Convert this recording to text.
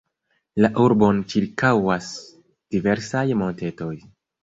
La urbon ĉirkaŭas diversaj montetoj.